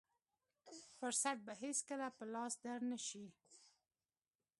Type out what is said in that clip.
فرصت به هېڅکله په لاس در نه شي.